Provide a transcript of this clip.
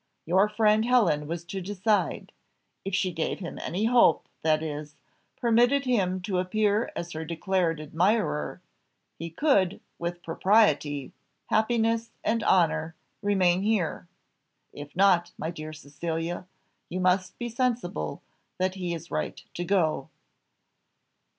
Your friend Helen was to decide. If she gave him any hope, that is, permitted him to appear as her declared admirer, he could, with propriety, happiness, and honour, remain here; if not, my dear Cecilia, you must be sensible that he is right to go."